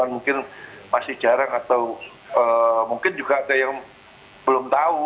mungkin masih jarang atau mungkin juga ada yang belum tahu